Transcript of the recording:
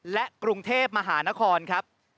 และกรุงเทพมหานครครับ